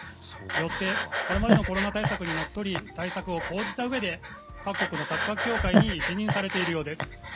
よってこれまでのコロナ対策にのっとり対策を講じたうえで各国のサッカー協会に一任されているようです。